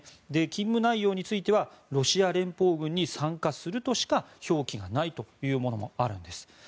勤務内容についてはロシア連邦軍に参加するとしか表記がないというものもあるんです。